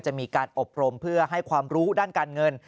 จะมีการอบรมเพื่อให้ความรู้ด้านการเงิน